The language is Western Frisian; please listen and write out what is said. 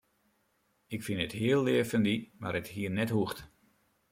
Ik fyn it hiel leaf fan dy, mar it hie net hoegd.